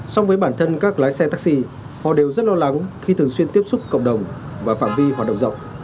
xong với bản thân các lái xe taxi họ đều rất lo lắng khi thường xuyên tiếp xúc cộng đồng và phạm vi hoạt động rộng